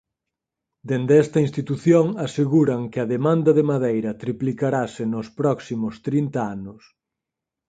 Dende esta institución aseguran que a demanda de madeira triplicarase nos próximos trinta anos.